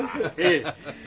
ええ。